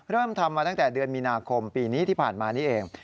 เริ่มทำมาตั้งแต่เดือนมีนาคมปีนี้ที่ผ่านมานี่เอง